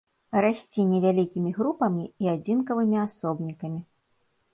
Расце невялікімі групамі і адзінкавымі асобнікамі.